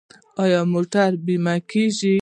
آیا موټرې بیمه کیږي؟